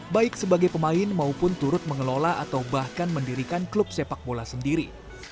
baik sebagai pemain maupun turut mengelola atau bahkan mendirikan klub sepak bola sendiri